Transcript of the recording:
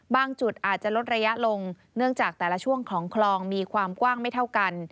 จุดอาจจะลดระยะลงเนื่องจากแต่ละช่วงของคลองมีความกว้างไม่เท่ากัน